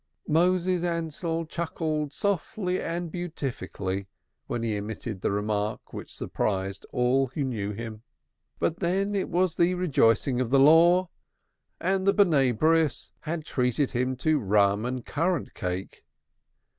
Moses Ansell chuckled softly and beatifically when he emitted the remark that surprised all who knew him. But then it was the Rejoicing of the Law and the Sons of the Covenant had treated him to rum and currant cake.